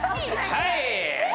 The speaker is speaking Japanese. はい。